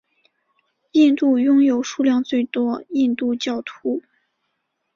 印度拥有数量最多印度教徒。